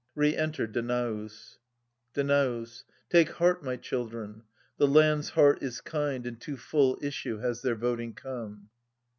Re enter Danaus. Danaus. Take heart, my children : the land's heart is kind And to full issue h^s their voting come.